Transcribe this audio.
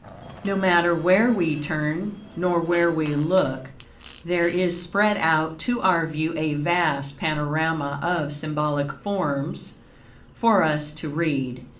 No matter where we turn nor where we look, there is spread out to our view a vast panorama of symbolic forms for us to read.